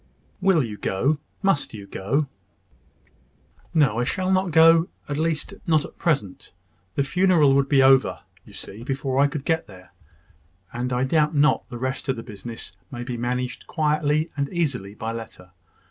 "Will you go? Must you go?" "No, I shall not go at least, not at present. The funeral would be over, you see, before I could get there; and I doubt not the rest of the business may be managed quietly and easily by letter.